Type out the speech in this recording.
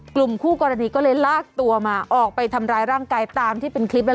กลุ่มคู่กรณีก็เลยลากตัวมาออกไปทำร้ายร่างกายตามที่เป็นคลิปแล้ว